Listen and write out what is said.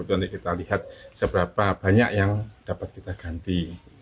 nanti kita lihat seberapa banyak yang dapat kita ganti